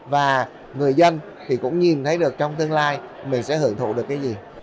và người dân thì cũng nhìn thấy được trong tương lai mình sẽ hưởng thụ được cái gì